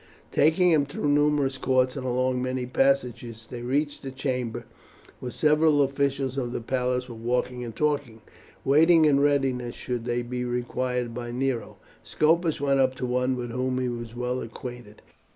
Taking him through numerous courts and along many passages they reached a chamber where several officials of the palace were walking and talking, waiting in readiness should they be required by Nero. Scopus went up to one with whom he was well acquainted.